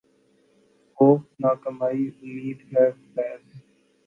خوف ناکامئ امید ہے فیضؔ